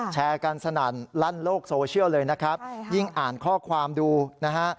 แชร์กันสนั่นลั่นโลกโซเชียลเลยนะครับยิ่งอ่านข้อความดูนะฮะ